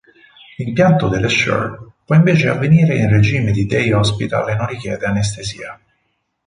L'impianto dell'Essure può invece avvenire in regime di day-hospital e non richiede anestesia.